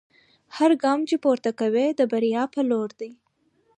هر ګام چې پورته کوئ د بریا په لور دی.